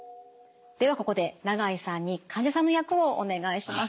ではここで永井さんに患者さんの役をお願いします。